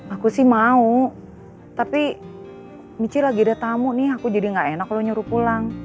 aku sih mau tapi michi lagi ada tamu nih aku jadi gak enak kalau nyuruh pulang